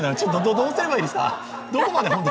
どうすればいいですか？